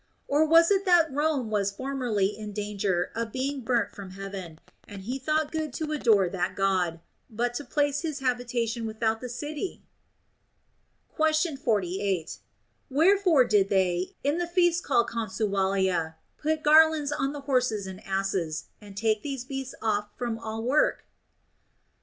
Or was it that Rome was formerly in danger of being burnt from heaven ; and he thought good to adore that God, but to place his habitation without the city ? Question 48. Wherefore did they, in the feasts called Consualia, put garlands on the horses and asses, and take these beasts off from all work